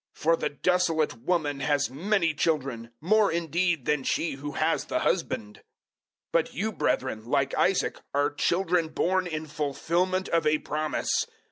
For the desolate woman has many children more indeed than she who has the husband." 004:028 But you, brethren, like Isaac, are children born in fulfilment of a promise.